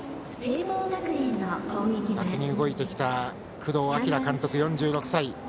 先に動いてきた工藤明監督、４６歳。